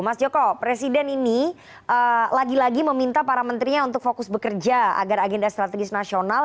mas joko presiden ini lagi lagi meminta para menterinya untuk fokus bekerja agar agenda strategis nasional